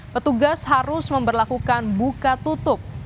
petugas harus memperlakukan buka tutup